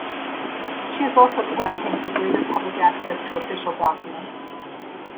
She has also campaigned for greater public access to official documents.